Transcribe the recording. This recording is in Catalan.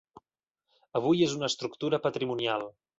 Avui és una estructura patrimonial.